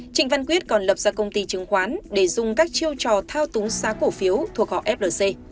trịnh văn quyết còn lập ra công ty chứng khoán để dùng các chiêu trò thao túng giá cổ phiếu thuộc họ flc